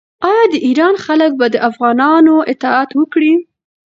آیا د ایران خلک به د افغانانو اطاعت وکړي؟